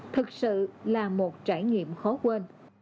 thực sự là một trải nghiệm khó quên